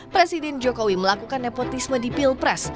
presiden jokowi melakukan nepotisme di pil pres